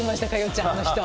ちゃんあの人。